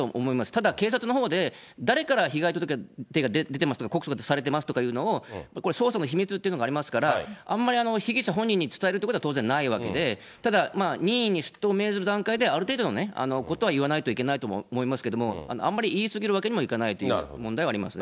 ただ警察のほうで、誰から被害届が出てますとか、告訴されてますとかいうのを、これ、捜査の秘密というのがありますから、あんまり被疑者本人に伝えるということは当然ないわけで、ただ、任意に出頭を命じる段階で、ある程度のことは言わないといけないと思いますけれども、あんまり言い過ぎるわけにもいかないという問題はありますね。